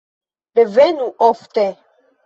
Revenu ofte!